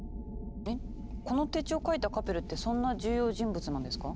この手帳を書いたカペルってそんな重要人物なんですか？